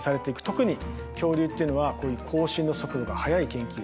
特に恐竜っていうのはこういう更新の速度が速い研究。